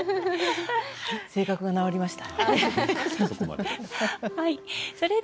性格が、直りました。